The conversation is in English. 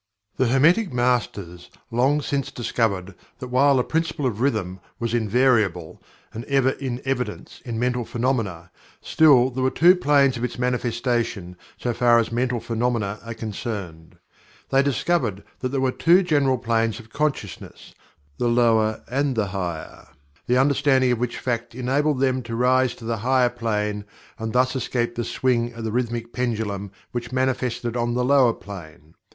The Hermetic Masters long since discovered that while the Principle of Rhythm was invariable, and ever in evidence in mental phenomena, still there were two planes of its manifestation so far as mental phenomena are concerned. They discovered that there were two general planes of Consciousness, the Lower and the Higher, the understanding of which fact enabled them to rise to the higher plane and thus escape the swing of the Rhythmic pendulum which manifested on the lower plane.